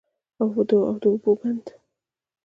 او د اوبو بند